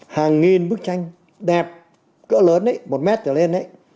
hàng nghìn bức tranh đẹp cỡ lớn ấy một m trở lên ấy